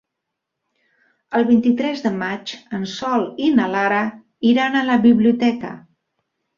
El vint-i-tres de maig en Sol i na Lara iran a la biblioteca.